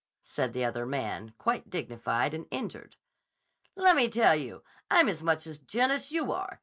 said the other man, quite dignified and injured. 'Lemme tell you, I'm as much a gent as you are.